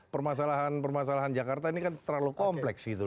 permasalahan permasalahan jakarta ini kan terlalu kompleks gitu